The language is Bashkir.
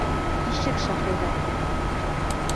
Ишек шаҡыйҙар.